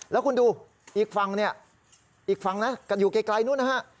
แล้วคุณดูอีกฝั่งเนี่ยอีกฝั่งนะกันอยู่ไกลนู้นนะฮะ